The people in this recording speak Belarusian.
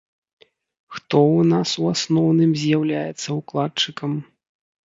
Хто ў нас у асноўным з'яўляецца ўкладчыкам?